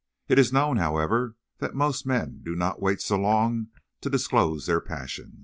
It is known, however, that most men do not wait so long to disclose their passion.